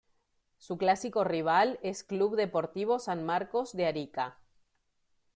Su clásico rival es Club Deportivo San Marcos de Arica.